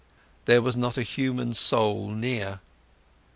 There was not a human soul near.